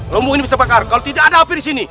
lombok ini bisa bakar kalau tidak ada api di sini